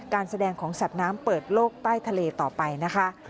การแสดงของสัตว์น้ำเปิดโลกใต้ทะเลต่อไปนะคะ